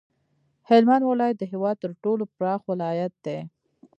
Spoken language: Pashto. هلمند ولایت د هیواد تر ټولو پراخ ولایت دی